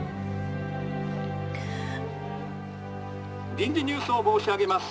「臨時ニュースを申し上げます。